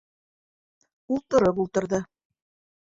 - Ул тороп ултырҙы.